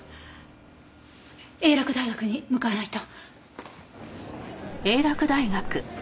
英洛大学に向かわないと。